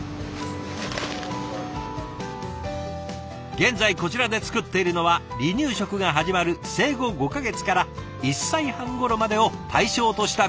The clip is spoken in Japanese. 現在こちらで作っているのは離乳食が始まる生後５か月から１歳半ごろまでを対象としたベビーフード。